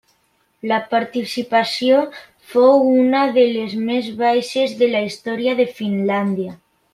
La participació fou una de les més baixes de la història de Finlàndia.